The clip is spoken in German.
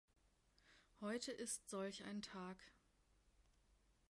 Heute ist solch ein Tag.